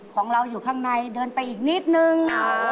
ของเราอยู่ข้างในเดินไปอีกนิดนึง